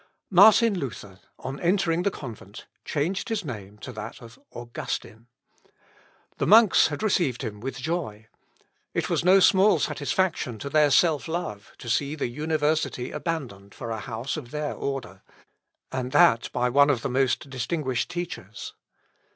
Martin Luther, on entering the convent, changed his name to that of Augustine. The monks had received him with joy. It was no small satisfaction to their self love to see the university abandoned for a house of their order, and that by one of the most distinguished teachers.